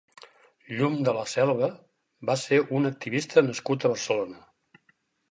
Llum de la Selva va ser un activista nascut a Barcelona.